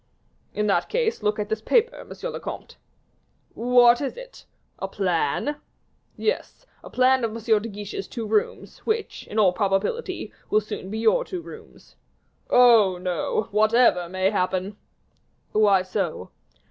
"In that case, look at this paper, monsieur le comte." "What is it a plan?" "Yes; a plan of M. de Guiche's two rooms, which, in all probability, will soon be your two rooms." "Oh! no, whatever may happen." "Why so?"